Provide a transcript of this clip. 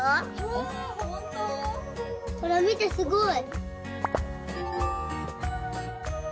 ほら見てすごい。